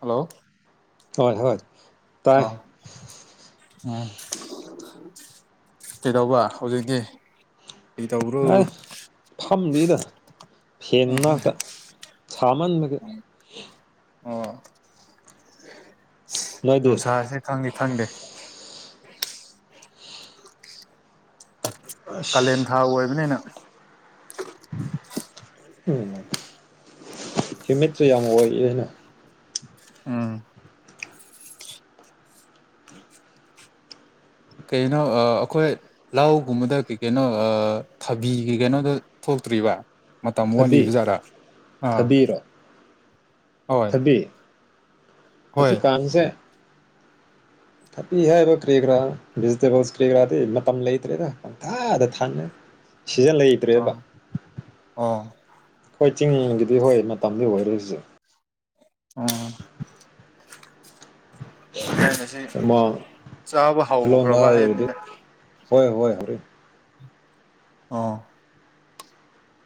hello ꯍꯣꯏ ꯍꯣꯏ ꯇꯥꯏ ꯑꯥ ꯎꯝ ꯀꯩꯗꯧꯕ ꯍꯧꯖꯤꯛꯀꯤ ꯑꯥꯏ ꯐꯝꯏꯗ ꯐꯦꯟ ꯉꯅꯥꯛꯇ ꯁꯥꯃꯟꯕ ꯍ ꯑꯣ ꯅꯣꯏꯗꯤ ꯅꯨꯡꯁꯥꯁꯦ ꯈꯪꯉꯦ ꯊꯪꯗꯦ ꯀꯥꯂꯦꯟ ꯑꯁ ꯊꯥ ꯑꯣꯏꯕꯅꯤꯅ ꯎ ꯁꯃꯤꯠꯁꯨ ꯌꯥꯝ ꯑꯣꯏꯣꯏꯅ ꯑꯥ ꯀꯩꯅꯣ ꯑꯩꯈꯣꯏ ꯂꯒꯨꯝꯕꯗ ꯀꯩ ꯀꯩꯅꯣ ꯊꯕꯤ ꯀꯩ ꯀꯩꯅꯣꯗ ꯊꯣꯛꯆ ꯄꯨ꯭ꯔꯤ ꯋꯥ ꯃꯇꯝꯛ ꯊꯕꯤ ꯋꯥꯠꯂꯤꯕꯖꯥꯔꯥ ꯑꯥ ꯊꯕꯤꯔꯣ ꯍꯣꯏ ꯑ ꯍꯣꯏ ꯀꯥꯟꯁꯦ [inaudible] ꯊꯄꯤ ꯍꯥꯏꯕ ꯀꯔꯤ ꯀꯔꯥ ꯚꯦꯖꯤꯇꯦꯕꯜꯁ ꯀꯔꯤ ꯀꯔꯥꯗꯤ ꯃꯇꯝ ꯂꯩꯇ꯭ꯔꯦꯗ ꯄꯪꯊꯗ ꯊꯥꯡꯉꯦ ꯁꯤꯖ ꯂꯩꯇ꯭ꯔꯦꯕ ꯑꯥ ꯑꯣ ꯑꯩꯈꯣꯏ ꯆꯤꯡꯒꯤꯗꯤ ꯍꯣꯏ ꯃꯇꯝꯗꯤ ꯑꯣꯏꯔꯁꯦ ꯎꯝ ꯍꯦꯟꯅ ꯁꯤ ꯑꯃ ꯆꯥꯕ ꯂꯣꯟꯗ ꯍꯧꯈ꯭ꯔꯕ ꯍꯥꯏꯔꯗꯤ ꯍꯥꯏꯕꯅꯤꯅꯦ ꯍꯣꯏ ꯍꯣꯏ ꯍꯣꯏ ꯑꯥ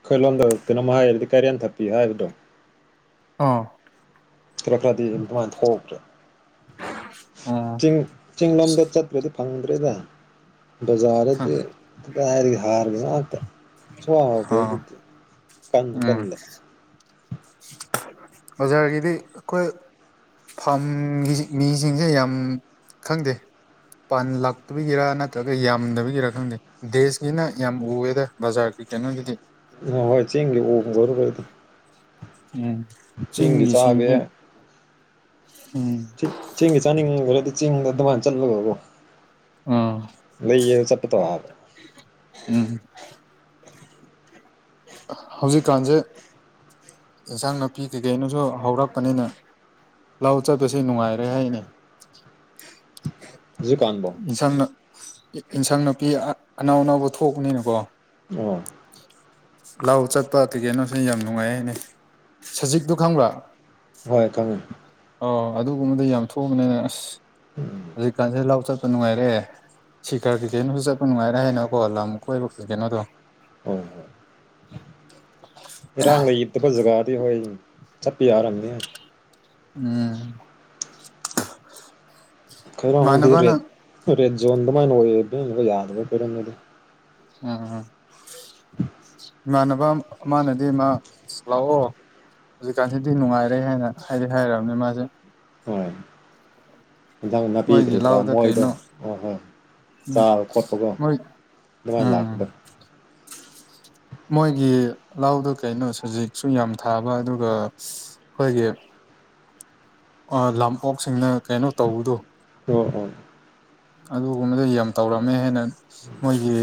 ꯈꯣꯏꯂꯣꯝꯗ ꯀꯅꯣꯝ ꯍꯥꯏꯔꯗꯤ ꯀꯔꯤꯅ ꯊꯛꯄꯤ ꯍꯥꯏꯕꯗꯣ ꯑꯥ ꯀ ꯈ꯭ꯔꯗꯤ ꯏꯃꯥꯟ ꯊꯣꯛ꯭ꯔꯦ ꯑꯣ ꯆꯤꯡꯡꯂꯣꯝꯗ ꯆꯠꯇ꯭ꯔꯗꯤ ꯐꯪꯗ꯭ꯔꯦꯗ ꯕꯖꯥꯔꯗꯗꯤ ꯗꯥ ꯍꯥꯏꯔꯤꯒ ꯍꯥꯔꯒꯤ ꯉꯥꯛꯇ ꯁꯋꯥ ꯍꯥꯎꯇꯦꯕ ꯑꯥ ꯑꯗꯨꯗꯤ ꯀꯟ ꯎꯝ ꯀꯟꯅ ꯑꯣꯖꯥꯔꯒꯤꯗꯤ ꯑꯩꯈꯣꯏ ꯐꯥꯝꯒꯤ ꯃꯤꯁꯤꯡꯁꯦ ꯌꯥꯝ ꯈꯪꯗꯦ ꯄꯥꯟ ꯂꯥꯛꯇꯕꯒꯤꯔ ꯅꯠꯇ꯭ꯔꯒ ꯌꯥꯝꯗꯕꯕꯤꯒꯤꯔ ꯈꯪꯗꯦ ꯗꯦꯁꯀꯤꯅ ꯌꯥꯝ ꯎꯑꯦꯗ ꯕꯖꯥꯔꯒꯤ ꯀꯩꯅꯣꯗꯨꯗꯤ ꯍꯣꯏ ꯆꯤꯡꯒꯦ ꯎꯒꯔꯕꯗ ꯎꯝ ꯆꯦꯡꯒꯤ ꯆꯥꯒꯦ ꯆꯤꯡꯒꯤꯁꯤꯡꯁꯦ ꯎꯝ ꯆꯦꯡꯒꯤ ꯆꯥ ꯆꯤꯡꯗ ꯑꯗꯨꯃꯥꯟ ꯆꯜꯂꯒꯕꯣ ꯑꯥ ꯂꯩꯌꯦ ꯆꯠꯄ ꯊ ꯍꯥꯕ ꯎꯝ ꯍꯧꯖꯤꯛꯀꯥꯟꯁꯦ ꯏꯟꯁꯥꯡ ꯅꯥꯄꯤ ꯀꯩꯀꯩꯅꯣꯁꯨ ꯍꯧꯔꯛꯄꯅꯤꯅ ꯂꯥꯛꯑꯣ ꯆꯠꯄꯁꯦ ꯅꯨꯡꯉꯥꯏꯔꯦ ꯍꯥꯏꯅꯦ ꯍꯧꯖꯤꯛꯀꯥꯟꯕꯣ ꯏꯟꯁꯥꯡ ꯏꯟꯁꯥꯡ ꯅꯥꯄꯤ ꯑꯅꯥꯎ ꯑꯅꯥꯎꯕ ꯊꯣꯛꯄꯅꯤꯅꯀꯣ ꯑꯣ ꯂꯥꯛꯑꯣ ꯆꯠꯄ ꯇꯤꯀꯦꯅꯣ ꯁꯤ ꯌꯥꯝ ꯅꯨꯡꯉꯥꯏ ꯍꯥꯏꯅꯦ ꯁꯖꯤꯛꯇꯨ ꯈꯪꯕ꯭ꯔꯥ ꯍꯣꯏ ꯊꯃꯦ ꯑꯣ ꯑꯗꯨꯒꯨꯝꯕꯗ ꯌꯥꯝ ꯊꯣꯛꯣꯡꯑꯕꯅꯤꯅ ꯑꯁ ꯎꯝ ꯍꯧꯖꯤꯛꯀꯥꯟꯁꯦ ꯂꯥꯎꯊꯠ ꯆꯠꯄ ꯅꯨꯡꯉꯥꯏꯔꯛꯦ ꯁꯤꯀꯔ ꯀꯤꯛꯀꯦꯅꯨꯁꯨ ꯆꯠꯄ ꯅꯨꯡꯉꯥꯏꯔꯦ ꯍꯥꯏꯅꯀꯣ ꯂꯝ ꯀꯣꯏꯕ ꯀꯤꯛꯀꯦꯅꯣꯗꯣ ꯑꯣ ꯏꯔꯥꯡ ꯂꯩꯇꯕꯖꯒꯥ ꯗꯤ ꯍꯣꯏ ꯆꯄꯤ ꯌꯥꯔꯝꯗ ꯎꯝ ꯈꯔꯗꯤ ꯏꯃꯥꯟꯅꯕꯅ ꯔꯦꯖꯣꯗꯅ ꯌꯥꯗꯕ ꯄꯔꯗꯤ ꯑ ꯏꯃꯥꯟꯅꯕ ꯃꯥꯅꯗꯤ ꯃꯥ ꯂꯥꯛꯑꯣ ꯍꯧꯖꯤꯛꯀꯥꯟꯁꯤꯗꯤ ꯅꯨꯡꯉꯥꯏꯔꯦ ꯍꯥꯏꯅ ꯍꯥꯏꯗꯤ ꯍꯥꯏꯑꯔꯕꯅꯦ ꯃꯥꯁꯦ ꯍꯣꯏ ꯑꯦꯟꯖꯥꯡ ꯃꯣꯏꯒꯤ ꯅꯥꯄꯤꯈ꯭ꯔꯤꯕ꯭ꯔꯥ ꯂꯥꯎꯗ ꯃꯣꯏꯗꯣ ꯀꯩꯅꯣ ꯍꯣꯏ ꯍꯣꯏ ꯎꯝ ꯆꯥꯕ ꯈꯣꯠꯄꯒ ꯃꯣꯏ ꯑꯗꯨꯃꯥꯏꯅ ꯂꯥꯛꯀꯗꯕ ꯎ ꯃꯣꯏꯒꯤ ꯂꯗꯨꯣ ꯀꯩꯅꯣ ꯁꯖꯤꯛꯁꯨ ꯌꯥꯝ ꯊꯥꯕ ꯑꯗꯨꯒ ꯑꯩꯈꯣꯏꯒꯤ ꯂꯝ ꯑꯣꯛꯁꯤꯡꯅ ꯀꯩꯅꯣ ꯇꯧꯕꯗꯣ ꯑꯣ ꯍ ꯑꯗꯨꯒꯨꯝꯕꯗ ꯌꯥꯝ ꯇꯧꯔꯝꯃꯦ ꯍꯥꯏꯅ ꯃꯣꯏꯒꯤ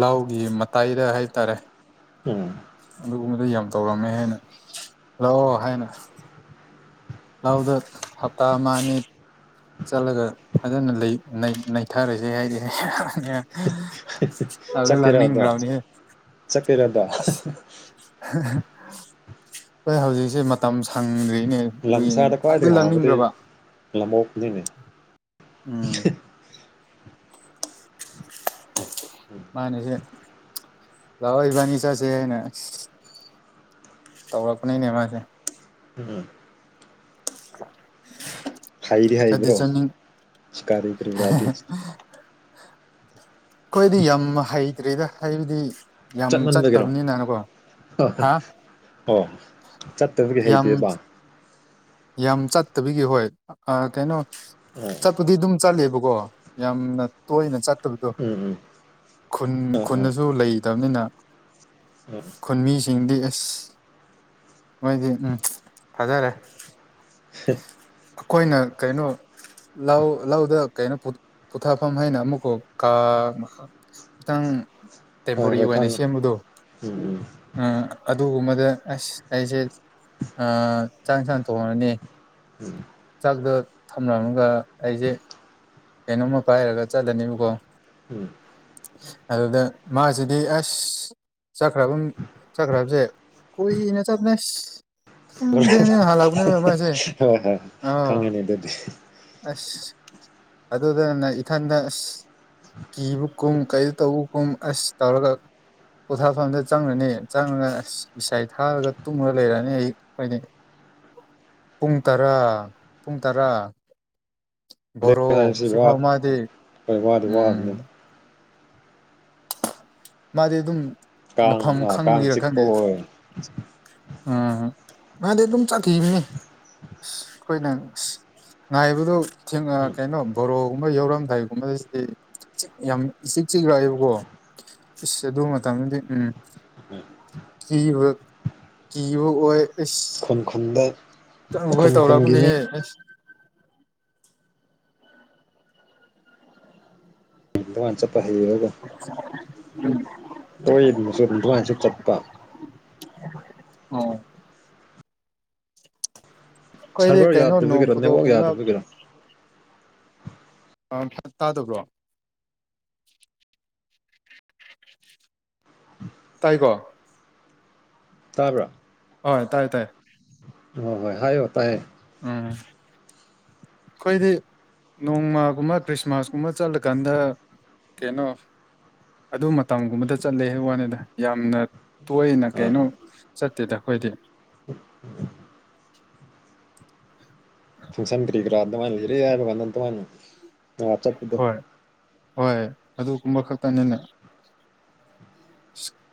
ꯂꯥꯎꯒꯤ ꯃꯇꯥꯏꯗ ꯍꯥꯏꯇꯥꯔꯦ ꯎꯝ ꯑꯗꯨꯒꯨꯝꯕꯗ ꯌꯥꯝ ꯇꯧꯔꯝꯃꯦ ꯍꯥꯏꯅ ꯂꯥꯛꯑꯣ ꯍꯥꯏꯅ ꯂꯧꯗ ꯍꯞꯇꯥ ꯑꯃꯅꯤ ꯆꯠꯂꯒ ꯐꯖꯅ ꯅꯩꯊꯔꯁꯦ ꯍꯥꯏꯗꯤ ꯑ ꯂꯒꯅꯤꯒꯥꯎꯅꯤ ꯇꯔꯗ ꯍꯣꯏ ꯍꯧꯖꯤꯛꯁꯦ ꯃꯇꯝ ꯁꯪꯗ꯭ꯔꯤ ꯅꯦ ꯑꯗꯨꯒꯤꯅꯦꯅꯦ ꯂꯝꯁꯥꯗ ꯉꯥꯛꯇ ꯈ꯭ꯋꯥꯏꯗꯒꯤ ꯍꯥꯎꯕꯗꯤ ꯂꯥꯡꯅꯤꯡꯈ꯭ꯔꯕ ꯂꯝꯑꯣꯛꯅꯤꯅꯦ ꯎꯝ ꯃꯥꯅꯦꯁꯦ ꯂꯋꯥ ꯏꯕꯥꯅꯤ ꯆꯁꯅꯦ ꯇꯧꯄ ꯅꯅꯦ ꯑꯦꯃꯁ ꯎꯝ [inaudible] ꯊꯥꯏꯔꯤꯗꯤ ꯆꯠꯗꯤ ꯍꯥꯏꯩꯕ꯭ꯔꯣ ꯆꯠꯅꯤꯡ ꯁꯤfꯀꯥꯔꯔꯤ [inaudible] ꯑꯩꯈꯣꯏꯗꯤ ꯌꯥꯝ ꯍꯩꯇ꯭ꯔꯦꯗ ꯍꯥꯏꯕꯗꯤ ꯌꯥꯝ ꯆꯠꯃꯟꯕꯒꯤꯔꯣ ꯆꯠꯇꯕꯅꯤꯅꯅꯀꯣ ꯍꯥ ꯑꯣ ꯆꯠꯇꯕꯗꯤ ꯌꯥꯝ ꯍꯩꯇꯦꯕ ꯌꯥꯝ ꯆꯠꯇꯕꯤꯒꯤ ꯍꯣꯏ ꯀꯩꯅꯣ ꯑꯣ ꯆꯠꯄꯗꯤ ꯑꯗꯨꯝ ꯆꯠꯂꯦꯕꯀꯣ ꯌꯥꯝꯅ ꯇꯣꯏꯅ ꯆ ꯐꯠꯇꯕꯗꯣ ꯎꯝ ꯎꯝ ꯈꯨꯟ ꯑꯥ ꯑꯥ ꯈꯨꯗꯁꯨ ꯂꯩꯇꯕꯅꯤꯅ ꯑꯥ ꯈꯨꯨꯟꯃꯤꯁꯤꯡꯗ ꯑꯦꯁ ꯑꯁ ꯃꯣꯏꯗꯤ ꯎꯝ ꯊꯥꯖꯔꯦ ꯑꯩꯈꯣꯏꯅ ꯀꯩꯅꯣ ꯂꯧ ꯂꯧꯗ ꯀꯩꯅꯣ ꯄꯣꯊꯥꯐꯝ ꯍꯥꯏꯅ ꯑꯃꯨꯛꯀꯣ ꯀꯥ ꯃꯈꯥ ꯈꯤꯇꯪ ꯍꯣꯏ ꯇꯦꯝꯄꯣꯔꯔꯤ ꯍꯣꯏ ꯑꯣꯏꯅ ꯈꯪꯉꯦ ꯁꯦꯝꯕꯗꯣ ꯎꯝ ꯎꯝ ꯑꯗꯨꯒꯨꯝꯕꯗ ꯑꯁ ꯑꯩꯁꯦ ꯆꯥꯡ ꯆ ꯊꯣꯡꯉꯅꯤ ꯆꯥꯛꯗꯣ ꯊꯝꯂꯝꯒ ꯑꯩꯁꯦ ꯀꯩꯅꯣꯝꯃ ꯄꯥꯏꯔꯒ ꯆꯠꯂꯅꯦꯕꯀꯣ ꯎꯝ ꯑꯗꯨꯗ ꯃꯥꯁꯤꯗꯤ ꯑꯁ ꯆꯠꯈ꯭ꯔꯕ ꯆꯈ꯭ꯔ ꯍꯥꯏꯕꯁꯦ ꯀꯨꯏꯅ ꯆꯕꯅꯦ ꯎ ꯊꯅꯦ ꯍꯥꯂꯥꯎꯒꯅ ꯃꯃꯥꯏꯁꯦ ꯍꯣꯏ ꯍꯣꯏ ꯑ ꯈꯪꯉꯦꯅꯦ ꯑꯗꯨꯗꯤ ꯑꯁ ꯑꯗꯨꯗꯅ ꯏꯊꯟꯗ ꯑꯁ ꯀꯤꯕ ꯀꯨꯝ ꯀꯔꯤ ꯇꯧꯕ ꯀꯨꯝ ꯑꯁ ꯇꯧꯔꯒ ꯄꯣꯊꯥꯐꯝꯗ ꯆꯪꯉꯅꯤ ꯆꯪꯉꯒ ꯏꯁꯥꯏ ꯊꯥꯔꯒ ꯇꯨꯝꯉꯒ ꯂꯩꯔꯅꯤ ꯑꯩ ꯑꯩꯈꯣꯏꯅꯤ ꯄꯨꯡ ꯇꯔꯥ ꯄꯨꯡ ꯇꯔꯥ ꯣꯔꯣ ꯍꯥꯏꯕꯁꯤ ꯋꯥ ꯁꯤꯐꯥꯎ ꯃꯥꯗꯤ ꯍꯣꯏ ꯋꯥꯗꯤ ꯎꯝ ꯋꯥꯕꯅꯤ ꯃꯥꯗꯤ ꯑꯗꯨꯝ ꯀꯥꯡ ꯃꯐꯝ ꯀꯥꯡ ꯈꯪꯕꯒꯤꯔ ꯆꯤꯛꯄ ꯈꯪꯗꯦ ꯑꯣꯏ ꯎꯝ ꯃꯥꯗꯤ ꯑꯗꯨꯝ ꯆꯥꯊꯤꯅꯤ ꯑ ꯑꯩꯈꯣꯏꯅ ꯑ ꯉꯥꯏꯕꯗꯣ ꯊꯦꯡ ꯎꯝ ꯀꯩꯅꯣ ꯕꯣꯔꯣꯒꯨꯝꯕ ꯌꯧꯔꯝꯗꯥꯏꯒꯨꯝꯕꯗ ꯁꯤꯗꯤ ꯌꯥꯝ ꯏꯤꯛ ꯆꯤꯛ ꯂꯥꯛꯑꯦꯕꯀꯣ ꯏꯁꯁ ꯑꯗꯨ ꯃꯇꯝꯗꯗꯤ ꯎꯝ ꯀꯕ ꯀꯤꯕ ꯑꯣꯏ ꯈꯨꯟ ꯈꯨꯟꯗ ꯇꯪ ꯍꯣꯏ ꯈꯨꯟ ꯈꯨꯟꯒꯤ ꯃꯤ ꯇꯧꯔꯛꯕꯅꯦꯍꯦ ꯑꯁ ꯉꯥꯟ ꯆꯠꯄ ꯍꯩꯔꯒꯣ ꯇꯣꯏꯁꯨ ꯑꯗꯨꯃꯥꯏꯅꯁꯨ ꯆꯠꯄ ꯑ ꯑꯩꯈꯣꯏꯗꯤ ꯁꯔꯚꯔ ꯀꯩꯅꯣ ꯌꯥꯗꯕꯁꯨ ꯅꯣꯡ ꯀꯔꯣ ꯅꯦꯠꯋꯥꯛ ꯐꯨꯗꯣꯛꯀꯨꯝꯕ ꯌꯥꯗꯕꯁꯨ ꯀꯦꯔꯣ ꯑ ꯇꯥꯗꯕ꯭ꯔꯣ ꯇꯥꯏꯀꯣ ꯇꯥꯕ꯭ꯔꯥ ꯍꯣꯏ ꯇꯥꯏꯌꯦ ꯇꯥꯏꯌꯦ ꯍꯣꯏ ꯍꯣꯏ ꯍꯥꯏꯌꯣ ꯇꯥꯏꯌꯦ ꯑꯥ ꯑꯩꯈꯣꯏꯗꯤ ꯅꯣꯡꯃꯒꯨꯝꯕ ꯈ꯭ꯔꯤꯁꯃꯥꯁꯀꯨꯝꯕ ꯆꯠꯂꯀꯥꯟꯗ ꯀꯩꯅꯣ ꯑꯗꯨ ꯃꯇꯝꯒꯨꯝꯕꯗ ꯆꯠꯂꯦ ꯋꯥꯅꯤꯗ ꯌꯥꯝꯅ ꯇꯣꯏꯅ ꯀꯩꯅꯣ ꯆꯠꯇꯦꯗ ꯑꯩꯈꯣꯏꯗꯤ ꯎ ꯐꯪꯁꯟ ꯇꯔꯤ ꯔꯥꯗꯃꯅꯔꯦ ꯍꯥꯏꯃꯗ ꯍꯣꯏ ꯍꯣꯏ ꯑꯗꯨꯒꯨꯝꯕ ꯈꯛꯇꯅꯤꯅꯦ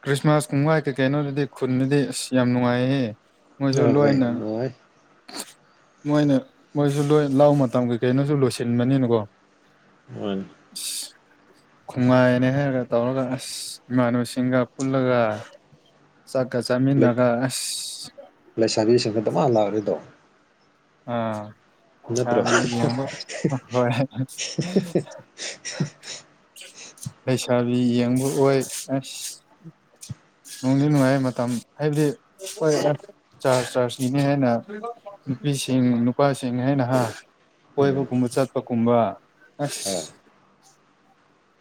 ꯈ꯭ꯔꯤꯁꯃꯥꯁ ꯀꯨꯝꯒꯥꯏ ꯀꯩꯀꯩꯅꯣꯗꯨꯗꯤ ꯈꯨꯟꯗꯗꯤ ꯑꯁ ꯌꯥꯝ ꯅꯨꯡꯉꯥꯏꯍꯦ ꯑ ꯃꯣꯏꯁꯨ ꯍꯣꯏ ꯂꯣꯏꯅ ꯍ ꯃꯣꯏꯅ ꯃꯣꯏꯁꯨ ꯂꯣꯏ ꯂꯥꯛ ꯃꯇꯝꯒꯤꯩ ꯀꯩꯅꯣꯁꯨ ꯂꯣꯏꯁꯤꯟꯕꯅꯤꯅꯀꯣ ꯋꯥꯟ ꯈꯣꯡꯉꯥꯏꯅꯦ ꯍꯥꯏꯔꯒ ꯇꯧꯔꯒ ꯑꯁ ꯏꯃꯥꯟꯅꯨꯁꯤꯡꯒ ꯄꯨꯜꯂꯒ ꯆꯥꯛꯀ ꯂꯩ ꯆꯃꯤꯅꯒꯁ ꯔꯤꯗꯝ ꯑꯥ ꯄꯩꯁꯥꯕꯤꯕ ꯍ ꯂꯩꯁꯥꯕꯤ ꯌꯦꯡꯕ ꯑꯣꯏ ꯑꯁ ꯅꯨꯡꯗꯤ ꯅꯨꯡꯉꯥꯏ ꯃꯇꯝ ꯍꯥꯏꯕꯗꯤ ꯍꯣꯏ ꯆꯥꯔꯖ ꯆꯥꯔꯖꯅꯤꯅꯤ ꯍꯥꯏꯅ ꯅꯨꯄꯤꯁꯤꯡ ꯅꯨꯄꯥꯁꯤꯡ ꯍꯥꯏꯅ ꯍꯥ ꯎꯝ ꯀꯣꯏꯕꯒꯨꯝꯕ ꯆꯠꯄꯒꯨꯝꯕ ꯍꯣꯏ ꯑꯁ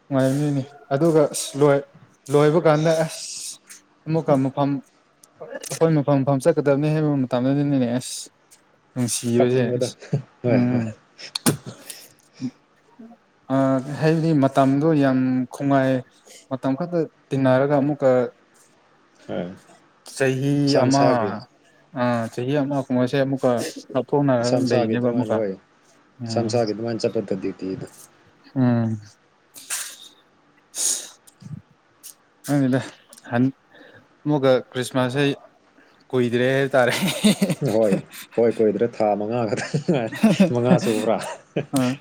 ꯅꯨꯡꯉꯥꯏꯝꯅꯤꯅꯤ ꯑꯗꯨꯒ ꯑꯁ ꯂꯣꯏ ꯂꯣꯏꯕ ꯀꯥꯟꯗ ꯑꯁ ꯃꯨꯀ ꯃꯨꯐꯝꯝ ꯑꯩꯈꯣꯏ ꯃꯐꯝ ꯃꯐꯝ ꯆꯠꯀꯗꯕꯅꯤ ꯍꯥꯏꯕ ꯃꯇꯝꯗꯗꯤꯅꯦꯅꯦ ꯑꯁ ꯅꯨꯡꯁꯤꯕꯁꯦ ꯀꯞꯅꯤꯡꯕꯗꯣ ꯍꯣꯏ ꯎꯝ ꯍꯣꯏ ꯑ ꯍꯗꯤ ꯃ ꯃꯇꯝꯗꯣ ꯌꯥꯝ ꯉꯥꯏ ꯃꯇꯝ ꯈꯛꯇ ꯇꯤꯟꯅꯔꯒ ꯑꯃꯨꯛꯀ ꯑꯝ ꯆꯍꯤ ꯑꯃ ꯆꯍꯤ ꯑꯃ ꯀꯨꯝꯍꯁꯦ ꯑꯃꯨꯛꯀ ꯂꯥꯞꯊꯣꯛꯅꯔꯒ ꯁꯝꯁꯥꯒꯤ ꯂꯩꯅꯦꯕ ꯃꯅ ꯑꯃꯨꯛꯀ ꯍꯣꯏ ꯎꯝ ꯁꯝꯁꯥꯒꯤ ꯃꯅ ꯆꯄꯠꯗꯤ ꯏꯗ ꯎꯝ ꯑꯪꯗ ꯍꯟ ꯑꯃꯨꯛꯒ ꯈ꯭ꯔꯤꯁꯃꯥꯁꯦ ꯀꯣꯏꯗ꯭ꯔꯦ ꯇꯥꯔꯦ ꯍꯣꯏ ꯍꯣꯏ ꯀꯣꯏꯏꯗ꯭ꯔꯦ ꯊꯥ ꯃꯉꯥ ꯈꯛꯇ ꯉꯥꯏꯔꯦ ꯃꯉꯥ ꯁꯨꯕ꯭ꯔꯥ ꯑ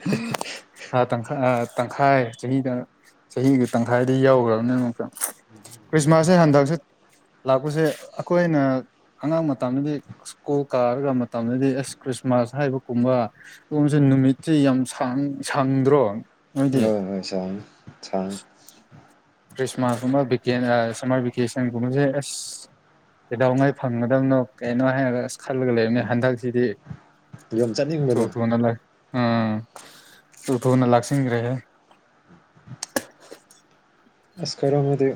ꯍꯥ ꯇꯪꯈ ꯇꯪꯈꯥꯏ ꯆꯍꯤꯗ ꯆꯍꯤꯒꯤ ꯇꯪꯈꯥꯏꯗ ꯌꯥꯎꯈ꯭ꯔꯕꯅꯤꯅ ꯑꯃꯨꯛꯀ ꯈ꯭ꯔꯤꯁꯃꯥꯁꯁꯦ ꯍꯟꯗꯛꯁꯦ ꯂꯥꯛꯄꯁꯦ ꯑꯩꯈꯣꯏꯅ ꯑꯉꯥꯡ ꯃꯇꯝꯗꯗꯤ ꯁ꯭ꯀꯨꯜ ꯀꯥꯔꯒ ꯃꯇꯝꯗꯗꯤ ꯑꯦꯁ ꯈ꯭ꯔꯤꯁꯃꯥꯁ ꯍꯥꯏꯕꯒꯨꯝꯕ ꯁꯣꯝꯁꯦ ꯅꯨꯃꯤꯠꯇꯤ ꯌꯥꯝ ꯁꯪꯗ꯭ꯔꯣ ꯅꯣꯏꯗꯤ ꯍꯣꯏ ꯍꯣꯏ ꯁꯥꯡ ꯁꯥꯡ ꯈ꯭ꯔꯤꯁꯃꯥꯁꯀꯨꯝꯕ ꯁꯝꯃꯔ ꯚꯦꯀꯦꯁꯟꯒꯨꯝꯕꯁꯦ ꯑꯁ ꯀꯩꯗꯧꯉꯩ ꯐꯪꯒꯗꯕꯅꯣ ꯀꯩꯅꯣ ꯍꯥꯏꯔꯒ ꯑꯁ ꯈꯜꯂꯒ ꯂꯩꯕꯅꯤ ꯎꯝ ꯍꯟꯗꯛꯁꯤꯗꯤ ꯌꯨꯝ ꯆ ꯆꯠꯅꯤꯡꯕꯗꯣ ꯊꯅ ꯑꯝ ꯇ ꯊꯅ ꯂꯥꯛꯁꯤ ꯔꯦ ꯑꯁ ꯀꯔꯣ ꯑꯃꯗꯤꯗꯤ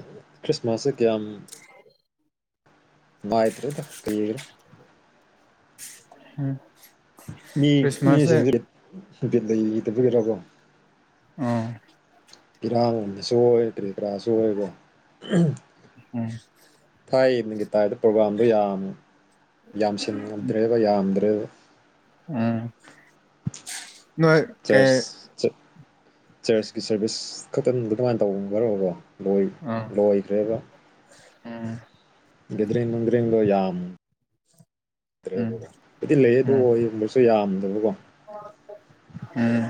ꯀ꯭ꯔꯤꯁꯃꯥꯁ ꯀ ꯌꯥꯝ ꯅꯨꯡꯥꯏꯇ꯭ꯔꯦꯗ ꯀꯒ꯭ꯔ ꯎꯝ ꯃꯤ ꯈ꯭ꯔꯤꯁꯃꯥꯁꯁꯦ ꯃꯤꯁꯤꯡꯁꯦ ꯅꯨꯗꯕꯤꯒꯤꯔꯣꯀꯣ ꯎ ꯄꯤꯔꯥꯡ ꯂꯣꯟꯕꯁꯨ ꯑꯣꯏ ꯄꯔꯤꯄꯔꯥꯁꯨ ꯑꯣꯏꯀꯣ ꯎꯝ ꯊꯥꯏ ꯅꯨꯒꯤ ꯇꯥꯏꯗ ꯄ꯭ꯔꯣꯒꯥꯝꯗꯣ ꯌꯥꯝꯅ ꯌꯥꯝꯁꯤꯟꯗ꯭ꯔꯦꯕ ꯌꯥꯝꯗ꯭ꯔꯦꯕ ꯎꯝ ꯏ ꯀꯦ ꯆꯔꯆ ꯆꯔꯆꯀꯤ ꯁꯥꯔꯚꯤꯁ ꯈꯛꯇꯪꯗꯤ ꯀꯃꯥꯏꯅ ꯇꯧꯈ꯭ꯔꯕꯣ ꯂꯣꯏꯗ꯭ꯔꯦꯕ ꯑ ꯗꯔꯤ ꯃꯨꯡꯗꯔꯤꯡꯗ ꯌꯥꯝꯃ ꯎꯝ ꯗ꯭ꯔꯦꯕꯀꯣ ꯑꯗꯨꯗꯤ ꯂꯩ ꯑꯗꯨ ꯎꯝ ꯑꯣꯏꯒꯨꯝꯕꯁꯨ ꯌꯥꯝꯗ꯭ꯔꯕꯀꯣ ꯎꯝ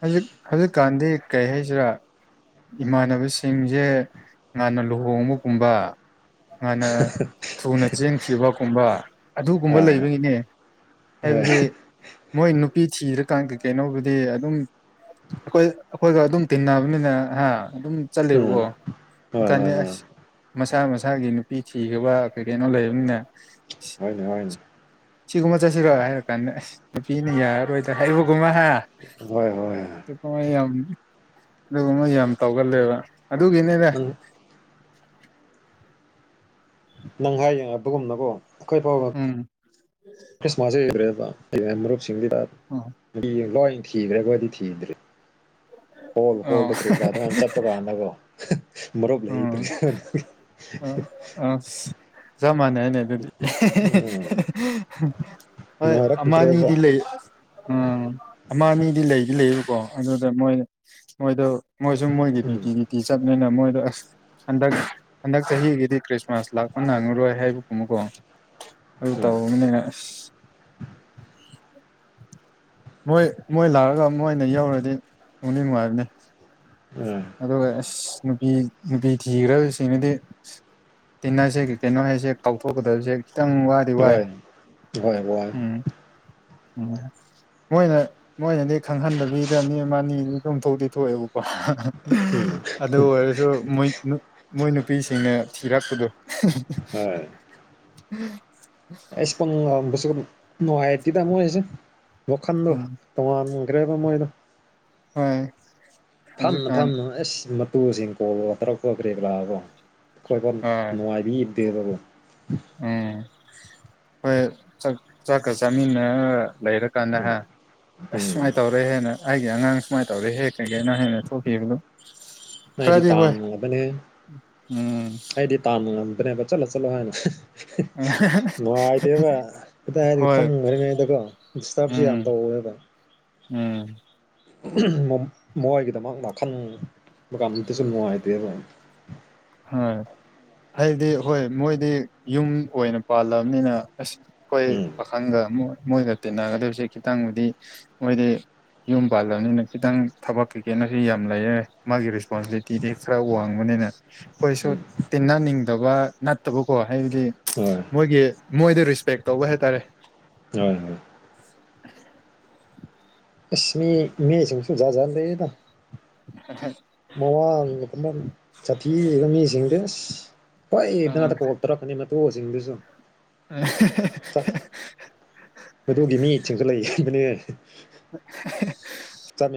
ꯍꯧꯖꯤꯛ ꯍꯧꯖꯤꯛꯀꯥꯟꯗꯤ ꯀꯔꯤ ꯍꯥꯏꯁꯤꯔꯥ ꯏꯃꯥꯟꯅꯕꯁꯤꯡꯁꯦ ꯉꯥꯟꯅ ꯂꯨꯍꯣꯡꯕꯒꯨꯝꯕ ꯍꯥꯟꯅ ꯊꯨꯅ ꯆꯦꯟꯈꯤꯕꯒꯨꯝꯕ ꯑꯗꯨꯒꯨꯝꯕ ꯂꯩꯕꯒꯤꯅꯦ ꯍ ꯍꯥꯏꯕꯗꯤ ꯃꯣꯏ ꯅꯨꯄꯤ ꯊꯤꯔꯀꯥꯟ ꯀꯩ ꯀꯩꯅꯣꯕꯨꯗꯤ ꯑꯗꯨꯝ ꯑꯩꯈꯣꯏ ꯑꯩꯈꯣꯏꯒ ꯑꯗꯨꯝ ꯇꯤꯟꯅꯕꯅꯤꯅ ꯍꯥ ꯑꯗꯨꯝ ꯎꯝ ꯍꯣꯏ ꯆꯠꯂꯦꯕꯀꯣꯀꯥꯟꯗ ꯍꯣꯏ ꯍꯣꯏ ꯑꯁ ꯃꯁꯥ ꯃꯁ ꯏꯁꯥꯒꯤ ꯅꯨꯄꯤ ꯊꯤꯈ꯭ꯔꯕ ꯀꯩ ꯀꯩꯅꯣ ꯂꯩꯕꯅꯤꯅ ꯍꯅꯦ ꯍꯅꯦ ꯁꯤꯒꯨꯝꯕ ꯆꯠꯁꯤꯔꯣ ꯍꯥꯏꯔ ꯀꯥꯟꯗ ꯑꯁ ꯅꯨꯄꯤꯅ ꯌꯥꯔꯔꯣꯏꯗ ꯍꯥꯏꯔ ꯀꯃ ꯍꯥꯏ ꯍꯣꯏ ꯍꯣꯏ ꯀꯃꯥꯏ ꯌꯥꯅꯤ ꯑꯗꯨꯒꯨꯝꯕ ꯌꯥꯝ ꯇꯧꯒꯜꯂꯦꯕ ꯑꯗꯨꯒꯤꯅꯤꯅꯦ ꯅꯪ ꯅꯪ ꯍꯥꯏꯌꯦꯡ ꯑꯗꯨꯒꯨꯝꯅꯕꯣ ꯑꯩꯈꯣꯏ ꯐꯥꯎ ꯎꯝ ꯈ꯭ꯔꯤꯁꯃꯥꯁ ꯂꯩꯈ꯭ꯔꯦꯕ ꯃꯔꯨꯞꯁꯤꯡꯁꯤꯗ ꯑꯣ ꯂꯣꯏ ꯊ ꯔꯦꯒꯣꯏꯗꯤ ꯊꯤ ꯏꯗꯔꯦ ꯍꯣꯜ ꯑꯣ ꯍꯣꯜꯗ ꯀ꯭ꯔꯤ ꯀ꯭ꯔꯥ ꯑꯗꯨꯃꯥꯏꯅ ꯆꯠꯄ ꯀꯥꯟꯗꯀꯣ ꯃꯔꯨꯞ ꯎꯝ ꯂꯩꯇ꯭ꯔꯦ [inaudible] ꯑ ꯆꯃꯅꯦ ꯍꯥꯏꯅꯦ ꯑꯗꯨꯗꯤ ꯎꯝ ꯍꯣꯏ ꯅꯨꯡꯉꯥꯏꯔꯛꯇ꯭ꯔꯦꯕ ꯑꯃꯅꯤꯗꯤ ꯂꯩ ꯑꯝ ꯑꯃ ꯑꯅꯤꯗꯤ ꯂꯩꯗꯤ ꯂꯩꯕꯀꯣ ꯑꯗꯨꯗ ꯃꯣꯏ ꯃꯣꯏꯗꯣ ꯃꯣꯏꯁꯨ ꯃꯣꯏꯒꯤ ꯎꯝ ꯕꯤꯇꯤ ꯕꯤꯇꯤ ꯆꯠꯅꯤꯅ ꯃꯣꯏꯗ ꯑꯁ ꯍꯟꯗꯛ ꯍꯟꯗꯛ ꯆꯍꯤꯒꯤꯗꯤ꯭ꯔꯤ ꯃꯖ ꯂꯥꯛꯄ ꯉꯥꯡꯉꯔꯣꯏ ꯍꯥꯏꯕꯒꯨꯝꯕꯀꯣ ꯑꯗꯨ ꯎꯝ ꯇꯧꯕꯅꯦ ꯑ [inaudible] ꯃꯣꯏ ꯃꯣꯏ ꯂꯥꯛꯑꯒ ꯃꯣꯏꯅ ꯌꯧꯔꯗꯤ ꯅꯨꯡꯗꯤ ꯅꯨꯡꯉꯥꯏꯕꯅꯤ ꯎꯝ ꯑꯗ ꯑꯁ ꯅꯨꯄꯤ ꯅꯨꯄꯤ ꯊꯤꯈ꯭ꯔꯕꯁꯤꯡꯅꯗꯤ ꯇꯤꯟꯅꯁꯦ ꯀꯩꯅꯣ ꯍꯥꯏꯁꯦꯦꯛ ꯀꯥꯎꯊꯣꯛꯀꯗꯕꯁꯦꯦꯛ ꯪ ꯋꯥꯗꯤ ꯋꯥꯏ ꯍꯣꯏ ꯍꯣꯏ ꯋꯥꯏ ꯎꯝ ꯎ ꯃꯣꯏꯅ ꯃꯣꯏꯅꯗꯤ ꯈꯪꯍꯟꯗꯕꯤꯗ ꯃꯤ ꯑꯃ ꯑꯅꯤꯗꯤ ꯆꯣꯝꯊꯣꯛꯇꯤ ꯊꯣꯛꯑꯦꯕꯀꯣ ꯎꯝ ꯑꯗꯨ ꯑꯣꯏꯔꯁꯨ ꯃꯣꯏ ꯃꯣꯏꯅ ꯅꯨꯄꯤꯁꯤꯡꯅ ꯊꯤꯔꯛꯄꯗꯣ ꯑꯦ ꯏꯁꯄ ꯅꯍꯥꯏꯤ ꯇ ꯑꯃꯣ ꯍꯥꯏꯁ ꯂ ꯈꯥꯟꯗ ꯎꯝ ꯇꯃꯥꯟ ꯭ꯔꯦꯕ ꯃꯣꯏꯗꯣ ꯍꯣꯏ ꯐꯝꯅ ꯍꯧꯖꯤꯛꯀꯥꯟ ꯐꯝꯅ ꯑꯦꯁ ꯇꯨꯁꯤꯡ ꯀꯣꯜꯂꯒ ꯇꯔꯛꯄ ꯀ꯭ꯔꯦ ꯂꯥꯛꯑꯕꯣ ꯑꯩꯈꯣꯏꯐꯝ ꯍꯣꯏ ꯅꯨꯡꯉꯥꯏꯗꯤ ꯏꯗꯦ ꯑꯗꯨꯕꯨ ꯎꯝ ꯍꯣꯏꯥꯛ ꯆꯥꯛꯀ ꯆꯥꯃꯤꯟꯅ ꯂꯩꯔ ꯀꯥꯟꯗ ꯎꯝ ꯍꯥꯏ ꯑꯁ ꯎꯝ ꯁꯨꯃꯥꯏꯅ ꯇꯧꯔꯦ ꯍꯦꯟꯅ ꯑꯩꯒꯤ ꯑꯉꯥꯡ ꯁꯨꯃꯥꯏꯅ ꯇꯧꯔꯦ ꯍꯦꯛ ꯀꯩꯀꯩ ꯅ ꯍꯦꯟꯅ ꯊꯣꯛꯈꯤꯕꯅꯣ ꯃꯗꯤ ꯇꯥꯃꯕꯅꯦ ꯎꯝ ꯍꯥꯏꯗꯤ ꯇꯥꯃ ꯕ ꯆꯠꯂꯣ ꯆꯂꯣ ꯍꯥꯏꯅ ꯑ ꯅꯨꯡꯉꯥꯏꯇꯦꯕ ꯑꯗꯥ ꯍꯥꯏ ꯍꯣꯏ ꯐꯝꯈ꯭ꯔꯤꯉꯩꯗꯀꯣ ꯗꯤꯁꯇꯔꯕꯁꯨ ꯎꯝ ꯌꯥꯝ ꯇꯧꯋꯦꯕ ꯎꯝ ꯃꯣꯏꯒꯤꯗꯃꯛꯅ ꯈꯟꯕ ꯀꯥꯟꯗꯗꯤꯁꯨ ꯅꯨꯡꯉꯥꯏꯇꯦ ꯑꯗꯨ ꯍꯣꯏ ꯑꯩꯗꯤ ꯍꯣꯏ ꯃꯣꯏꯗꯤ ꯌꯨꯝ ꯑꯣꯏꯅ ꯄꯥꯜꯂꯕꯅꯤꯅ ꯑꯁ ꯑꯩꯈꯣꯏ ꯎꯝ ꯄꯥꯈꯪꯒ ꯃꯣꯏꯒ ꯇꯤꯟꯅꯒꯗꯣꯏꯁꯦ ꯈꯤꯇꯪꯕꯨꯗꯤ ꯃꯣꯏꯗꯤ ꯌꯨꯝ ꯄꯥꯜꯂꯅꯤꯅ ꯈꯤꯇꯪ ꯊꯕꯛ ꯀꯩꯀꯩꯅꯁꯨ ꯌꯥꯝ ꯂꯩꯔꯦ ꯃꯥꯒꯤ ꯔꯦꯁꯄꯣꯟꯁꯤꯕꯤꯂꯤꯇꯤꯗꯤ ꯈꯔ ꯋꯥꯡꯕꯅꯤꯅ ꯑꯩꯈꯣꯏꯁꯨ ꯎꯝ ꯇꯤꯟꯅꯅꯤꯡꯗꯕ ꯅꯠꯇꯕꯀꯣ ꯍꯥꯏꯕꯗꯤ ꯍꯣꯏ ꯃꯣꯏꯒꯤ ꯃꯣꯏꯗ ꯔꯦꯁꯄꯦꯛ ꯇꯧꯕ ꯍꯥꯏꯇꯥꯔꯦ ꯍꯣꯏ ꯍꯣꯏ [inaudible] ꯏꯁ꯭ꯅꯤ ꯃꯦꯁꯤꯡ ꯁꯨꯝꯖꯖꯥꯟ ꯂꯩꯦꯗꯪ ꯃꯋꯥꯒꯨꯝꯕ ꯁꯥꯊꯤꯕ ꯃꯤꯁꯤꯡꯗꯤ ꯑꯁ ꯄ ꯑ ꯏꯗꯅꯥ ꯀꯣꯛꯇ ꯔꯛꯅꯤ ꯃ ꯇ ꯍꯁꯤꯡꯗꯁꯨꯣ ꯃꯗꯨꯒꯤ ꯃꯤꯁꯤꯡꯁꯨ ꯂꯩꯕꯅꯦ ꯆꯠꯃꯤꯟ [inaudible]